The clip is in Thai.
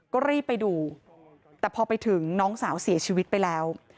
ก็รีบไปดูแต่พอไปถึงน้องสาวเสียชีวิตไปแล้ว